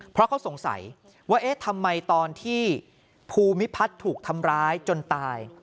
เพราะเขาสงสัยว่าเอ๊ะทำไมตอนที่ภูมิพัฒน์ถูกทำร้ายจนตาย